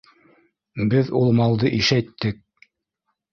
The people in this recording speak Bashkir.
Беҙ ул малды ишәйттек!